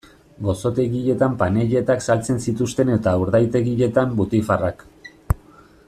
Gozotegietan panelletak saltzen zituzten eta urdaitegietan butifarrak.